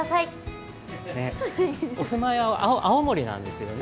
お住まいは青森なんですよね？